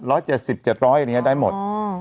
๑๗๐บาท๗๐๐บาทอย่างนี้ได้หมด